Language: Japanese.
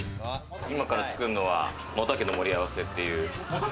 今から作るのは、おたけの盛り合わせという。